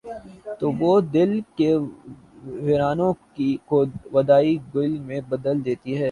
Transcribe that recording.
تو وہ دل کے ویرانوں کو وادیٔ گل میں بدل دیتی ہے۔